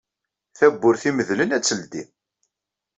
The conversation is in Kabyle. Tawwurt imedlen ad teldi.